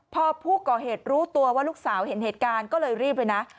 พอผู้ก่อเหตุรู้ตัวว่าลูกสาวเห็นเหตุการณ์ก็เลยรีบเลยนะ